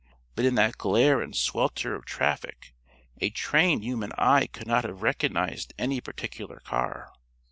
But in that glare and swelter of traffic, a trained human eye could not have recognized any particular car.